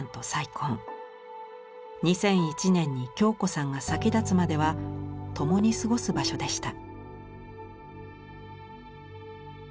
２００１年に京子さんが先立つまでは共に過ごす場所でした。